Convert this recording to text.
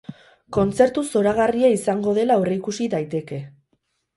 Kontzertu zoragarria izango dela aurreikusi daiteke.